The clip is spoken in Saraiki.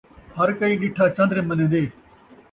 ہر کئی ݙٹھا چن٘در منین٘دے